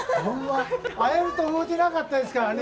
会えると思ってなかったですからね。